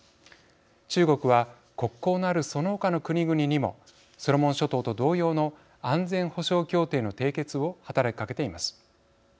中国は国交のあるそのほかの国々にもソロモン諸島と同様の安全保障協定の締結を働きかけています。